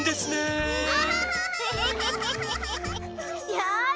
よし！